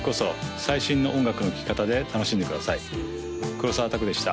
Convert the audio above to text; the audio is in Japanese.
最新の音楽の聴き方で楽しんでください黒澤拓でした